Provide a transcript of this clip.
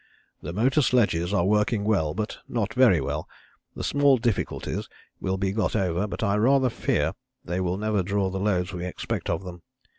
"The motor sledges are working well, but not very well; the small difficulties will be got over, but I rather fear they will never draw the loads we expect of them.